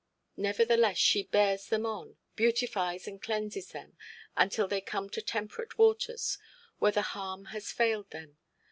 Nevertheless she bears them on, beautifies and cleanses them, until they come to temperate waters, where the harm has failed them.